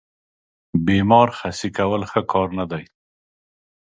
بیمار خسي کول ښه کار نه دی.